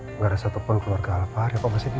enggak ada satupun keluarga alvaro masih di